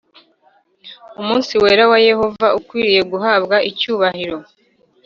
umunsi wera wa Yehova ukwiriye guhabwa icyubahiro